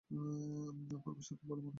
পূর্বশ্রুত বলে মনে হচ্ছে না তোমার?